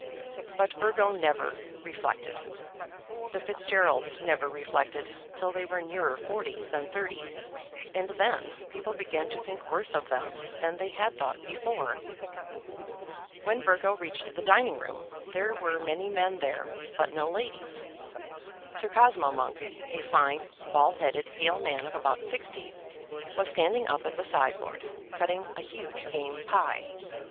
But Burgo never reflected. The Fitzgeralds never reflected till they were nearer forty than thirty, and then people began to think worse of them than they had thought before. When Burgo reached the dining room there were many men there, but no ladies. Sir Cosmo Monk, a fine bald headed hale man of about sixty, was standing up at the sideboard, cutting a huge game pie.